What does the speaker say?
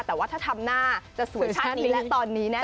แต่ว่าถ้าทำหน้าจะสวยชาตินี้และตอนนี้แน่